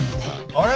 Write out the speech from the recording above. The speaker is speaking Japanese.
あれ？